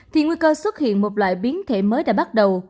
thì nguy cơ xuất hiện một loại biến thể mới đã bắt đầu